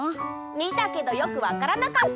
みたけどよくわからなかった！